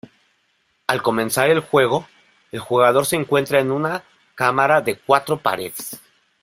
Al comenzar el juego, el jugador se encuentra en una cámara de cuatro paredes.